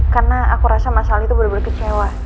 karena aku rasa mas al itu bener bener kecewa